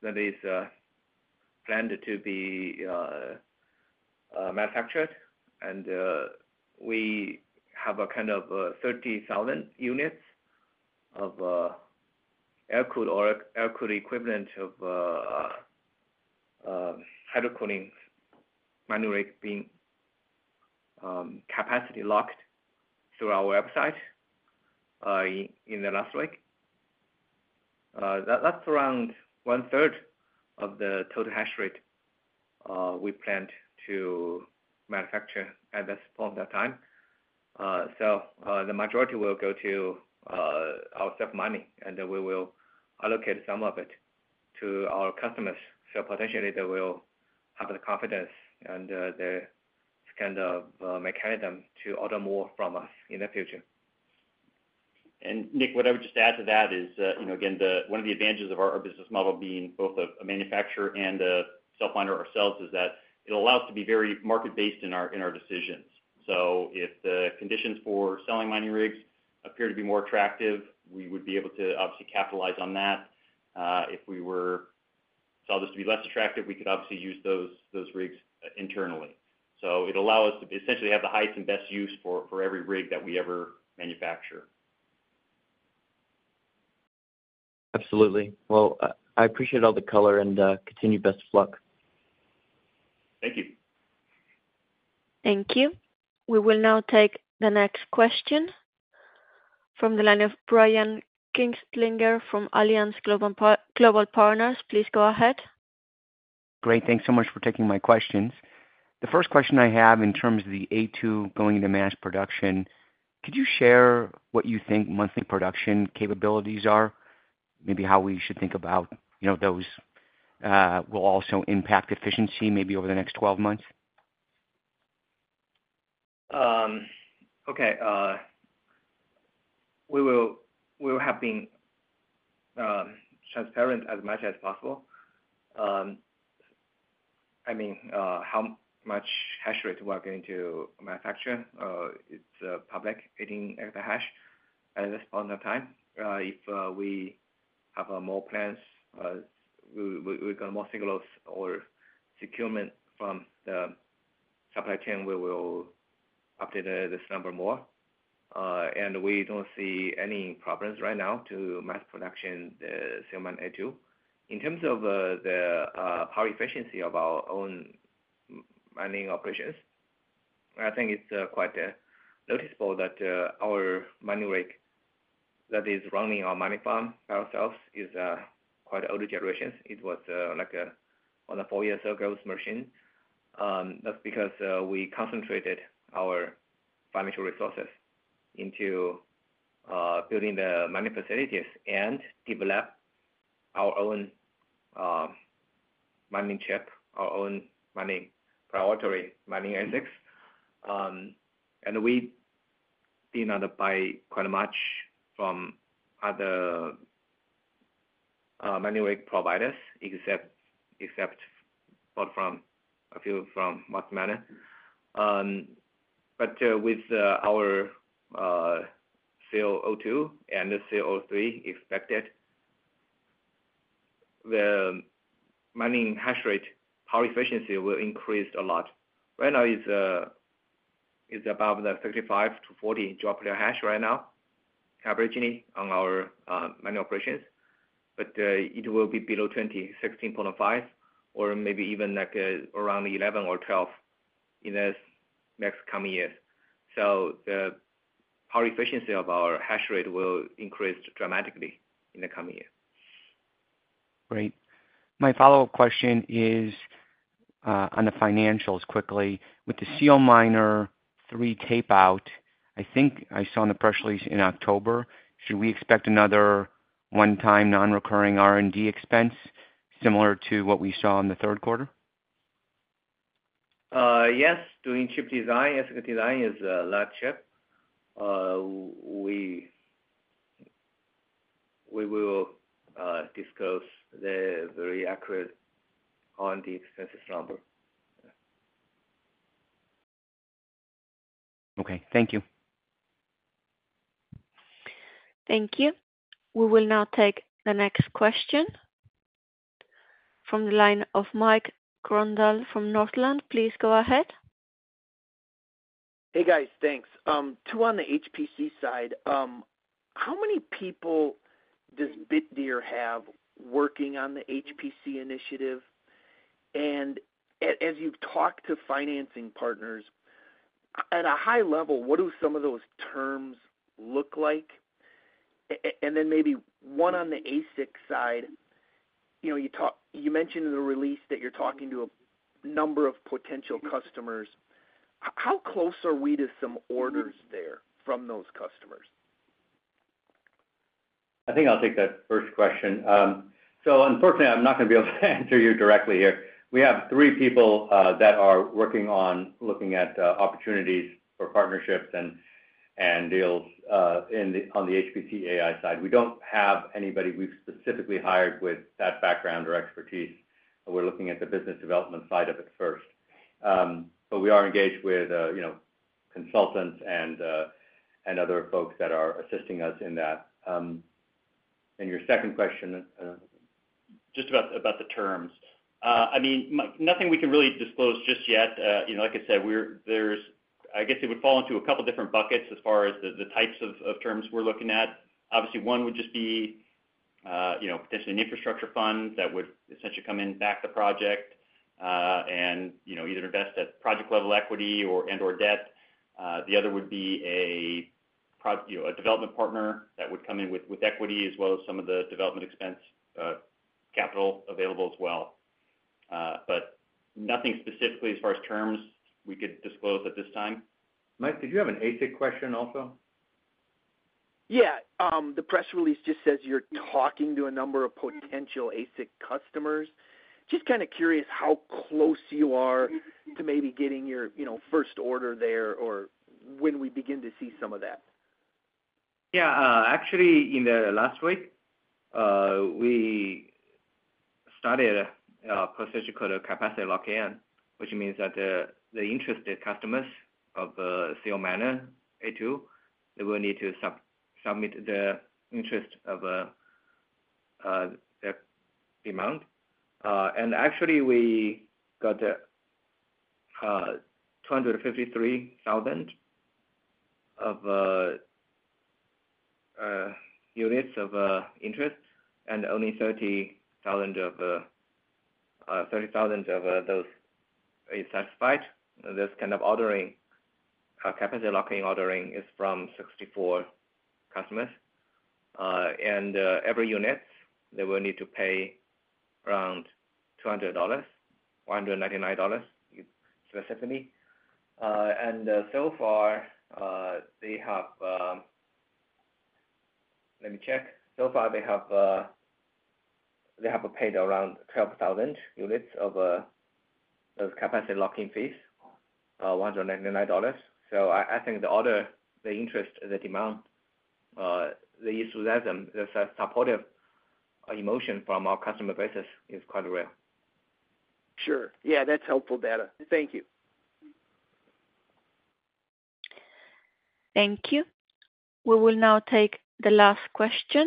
is planned to be manufactured. We have kind of 30,000 units of air-cooled or air-cooled equivalent of hydro-cooling mining rig being capacity locked through our website in the last week. That's around one-third of the total hash rate we planned to manufacture at that time. The majority will go to our self-mining, and we will allocate some of it to our customers. So potentially, they will have the confidence and the kind of mechanism to order more from us in the future. And Nick, what I would just add to that is, again, one of the advantages of our business model being both a manufacturer and a self-miner ourselves is that it allows us to be very market-based in our decisions. So if the conditions for selling mining rigs appear to be more attractive, we would be able to obviously capitalize on that. If we saw this to be less attractive, we could obviously use those rigs internally. So it'll allow us to essentially have the highest and best use for every rig that we ever manufacture. Absolutely. Well, I appreciate all the color and continue best of luck. Thank you. Thank you. We will now take the next question from the line of Brian Kinstlinger from Alliance Global Partners please go ahead. Great. Thanks so much for taking my questions. The first question I have in terms of the A2 going into mass production, could you share? what you think monthly production capabilities are, maybe how we should think about those will also impact efficiency maybe over the next 12 months? Okay. We will have been transparent as much as possible. I mean, how much hash rate we are going to manufacture is public 18 exahash at this point of time. If we have more plans, we got more signals or procurement from the supply chain, we will update this number more. And we don't see any problems right now to mass production the SEALMINER A2. In terms of the power efficiency of our own mining operations, I think it's quite noticeable that our mining rig that is running our mining farm by ourselves is quite older generations it was like on a four-year-old girl's machine. That's because we concentrated our financial resources into building the mining facilities and develop our own mining chip, our own mining proprietary ASIC. And we did not buy quite much from other mining rig providers except bought from a few from Bitmain. But with our SEAL02 and SEAL03 expected, the mining hash rate power efficiency will increase a lot. Right now, it's above 35-40 J/TH right now, averagely on our mining operations. But it will be below 20, 16.5, or maybe even around 11 or 12 in the next coming years. So the power efficiency of our hash rate will increase dramatically in the coming year. Great. My follow-up question is on the financials quickly. With the SEALMINER A3 tape-out, I think I saw on the press release in October, should we expect another one-time non-recurring R&D expense similar to what we saw in the Q3? Yes. Doing chip design, ASIC design is a large chip. We will disclose the very accurate R&D expenses number. Okay. Thank you. Thank you. We will now take the next question from the line of Mike Grondahl from Northland. Please go ahead. Hey, guys. Thanks. Two on the HPC side. How many people? does Bitdeer have working on the HPC initiative? And as you've talked to financing partners, at a high level, what do some of those terms look like? And then maybe one on the ASIC side, you mentioned in the release that you're talking to a number of potential customers. How close are we to some orders there from those customers? I think I'll take that first question. So unfortunately, I'm not going to be able to answer you directly here. We have three people that are working on looking at opportunities for partnerships and deals on the HPC AI side. We don't have anybody we've specifically hired with that background or expertise. We're looking at the business development side of it first. But we are engaged with consultants and other folks that are assisting us in that. And your second question, just about the terms, I mean, nothing we can really disclose just yet. Like I said, I guess it would fall into a couple of different buckets as far as the types of terms we're looking at. Obviously, one would just be potentially an infrastructure fund that would essentially come in, back the project, and either invest at project-level equity and/or debt. The other would be a development partner that would come in with equity as well as some of the development expense capital available as well. But nothing specifically as far as terms we could disclose at this time. Mike, did you have an ASIC question also? Yeah. The press release just says you're talking to a number of potential ASIC customers. Just kind of curious how close you are to maybe getting your first order there or when we begin to see some of that. Yeah. Actually, in the last week, we started a process called capacity lock-in, which means that the interested customers of SEALMINER A2, they will need to submit the interest of the demand. And actually, we got 253,000 units of interest and only 30,000 of those are satisfied. This kind of capacity lock-in ordering is from 64 customers. And every unit, they will need to pay around $200, $199 specifically. And so far, they have let me check. So far, they have paid around 12,000 units of those capacity lock-in fees, $199. So I think the order, the interest, the demand, the enthusiasm, the supportive emotion from our customer base is quite real. Sure. Yeah. That's helpful data. Thank you. Thank you. We will now take the last question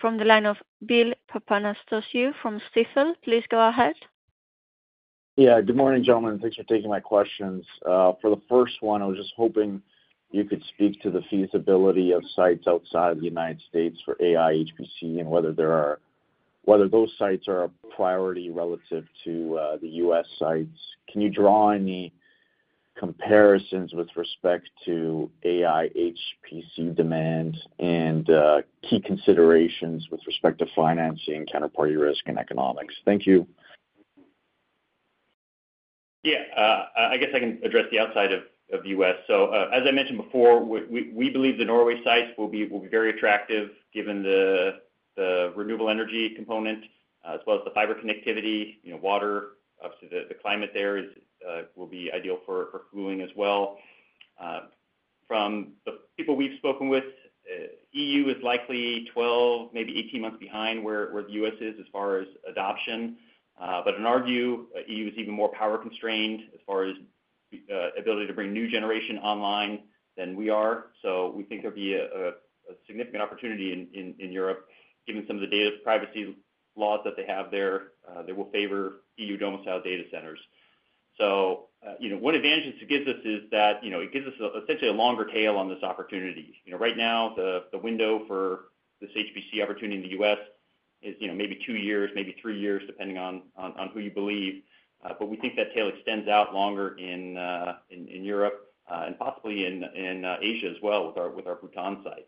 from the line of Bill Papanastasiou from Stifel. Please go ahead. Yeah. Good morning, gentlemen thanks for taking my questions. For the first one, I was just hoping you could speak to the feasibility of sites outside of the United States for AI HPC and whether those sites are a priority relative to the U.S. sites. Can you draw? any comparisons with respect to AI HPC demand and key considerations with respect to financing, counterparty risk, and economics? Thank you. Yeah. I guess I can address the outside of the U.S. So as I mentioned before, we believe the Norway sites will be very attractive given the renewable energy component as well as the fiber connectivity, water. Obviously, the climate there will be ideal for cooling as well. From the people we've spoken with, E.U. is likely 12, maybe 18 months behind where the U.S. is as far as adoption. But in our view, E.U. is even more power constrained as far as ability to bring new generation online than we are. So we think there'll be a significant opportunity in Europe given some of the data privacy laws that they have there. They will favor E.U. domiciled data centers. So one advantage this gives us is that it gives us essentially a longer tail on this opportunity. Right now, the window for this HPC opportunity in the U.S. is maybe two years, maybe three years, depending on who you believe. But we think that tail extends out longer in Europe and possibly in Asia as well with our Bhutan site.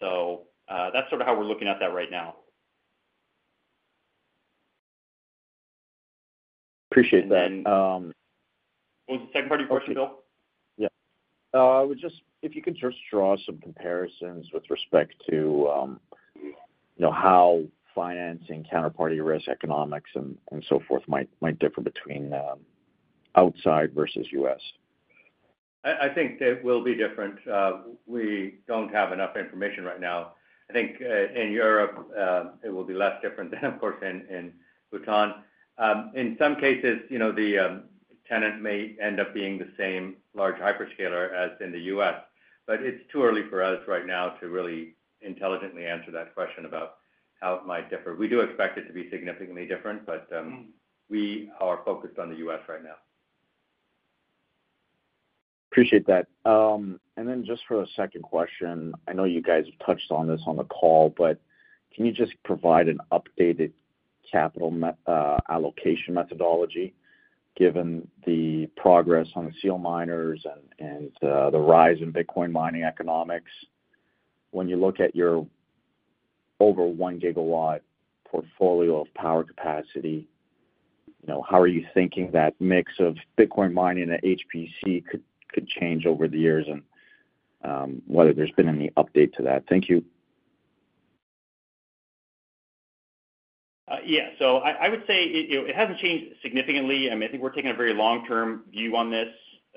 So that's sort of how we're looking at that right now. Appreciate that. What was the second part of your question, Bill? Yeah. If you could just draw some comparisons with respect to how financing, counterparty risk, economics, and so forth might differ between outside versus U.S. I think they will be different. We don't have enough information right now. I think in Europe, it will be less different than, of course, in Bhutan. In some cases, the tenant may end up being the same large hyperscaler as in the U.S. But it's too early for us right now to really intelligently answer that question about how it might differ we do expect it to be significantly different, but we are focused on the U.S. right now. Appreciate that. And then just for a second question, I know you guys have touched on this on the call, but can you just provide an updated capital allocation methodology given the progress on the ASIC miners and the rise in Bitcoin mining economics? When you look at your over one-GW portfolio of power capacity, how are you thinking that mix of Bitcoin mining and HPC could change over the years and whether there's been any update to that? Thank you. Yeah. So I would say it hasn't changed significantly. I mean, I think we're taking a very long-term view on this.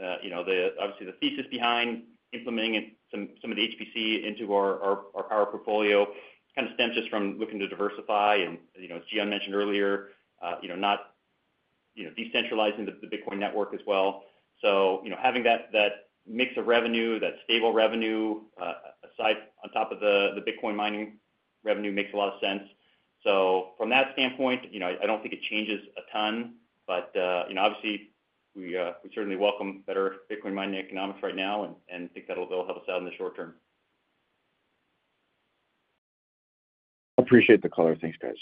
Obviously, the thesis behind implementing some of the HPC into our power portfolio kind of stems just from looking to diversify, and as Jihan mentioned earlier, not decentralizing the Bitcoin network as well. Having that mix of revenue, that stable revenue on top of the Bitcoin mining revenue makes a lot of sense, so from that standpoint, I don't think it changes a ton. Obviously, we certainly welcome better Bitcoin mining economics right now and think that'll help us out in the short term. Appreciate the color thanks, guys.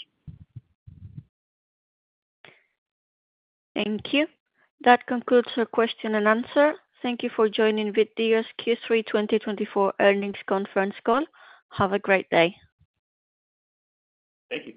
Thank you. That concludes our question and answer. Thank you for joining Bitdeer's Q3 2024 Earnings Conference Call. Have a great day. Thank you.